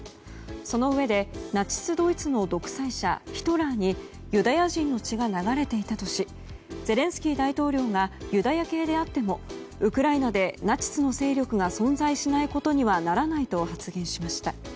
そのうえで、ナチスドイツの独裁者ヒトラーにユダヤ人の血が流れていたとしゼレンスキー大統領がユダヤ系であってもウクライナでナチスの勢力が存在しないことにはならないと発言しました。